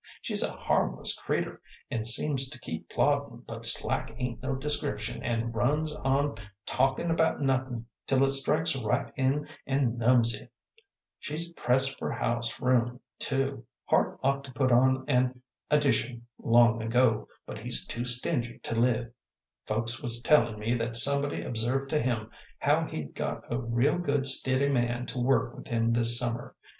"She's a harmless creatur' and seems to keep ploddin, but slack ain't no description, an' runs on talkin' about nothin' till it strikes right in an' numbs ye. She's pressed for house room, too. Hart ought to put on an addition long ago, but he's too stingy to live. Folks was tellin' me that somebody observed to him how he'd got a real good, stiddy man to work with him this summer.